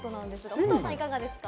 武藤さん、いかがですか？